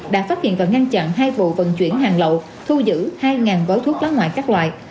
đã phát hiện và ngăn chặn hai vụ vận chuyển hàng lậu thu giữ hai gói thuốc lá ngoại các loại